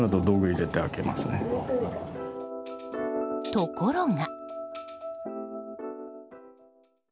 ところが。